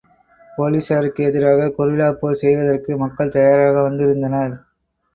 போலீசாருக்கு எதிராகக் கொரில்லா போர் செய்வதற்கு மக்கள் தயாராக வந்திருந்தனர்.